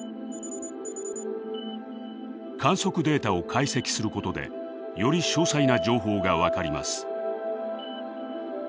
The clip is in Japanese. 観測データを解析することでより詳細な情報が分かります。